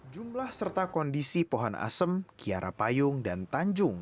jumlah serta kondisi pohon asem kiara payung dan tanjung